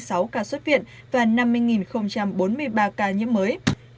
hãy đăng ký kênh để nhận thông tin nhất